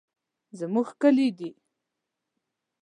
زمونږ کلي دي.